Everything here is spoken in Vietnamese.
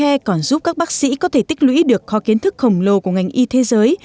e còn giúp các bác sĩ có thể tích lũy được kho kiến thức khổng lồ của ngành y thế giới